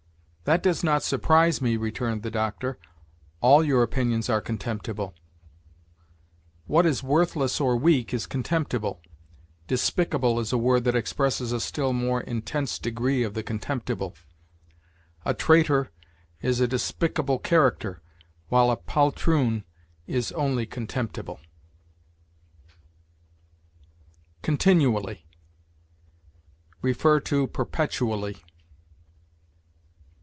"That does not surprise me," returned the Doctor; "all your opinions are contemptible." What is worthless or weak is contemptible. Despicable is a word that expresses a still more intense degree of the contemptible. A traitor is a despicable character, while a poltroon is only contemptible. CONTINUALLY. See PERPETUALLY.